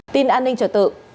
tin an ninh trở tự